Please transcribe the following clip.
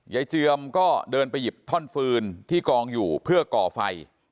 เจือมก็เดินไปหยิบท่อนฟืนที่กองอยู่เพื่อก่อไฟ